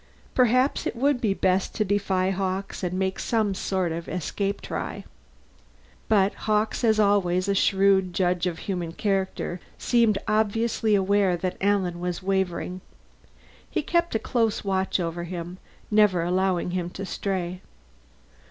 Perhaps it would be best to defy Hawkes and make some sort of escape try. But Hawkes, as always a shrewd judge of human character, seemed obviously aware that Alan was wavering. He kept a close watch over him, never allowing him to stray.